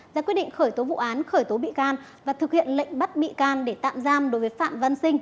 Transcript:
ra quyết định khởi tố vụ án khởi tố bị can và thực hiện lệnh bắt bị can để tạm giam đối với phạm văn sinh